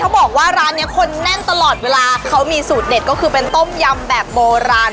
บอกว่าร้านนี้คนแน่นตลอดเวลาเขามีสูตรเด็ดก็คือเป็นต้มยำแบบโบราณ